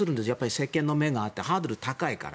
世間の目が合ってハードル高いから。